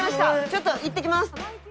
ちょっと行ってきます。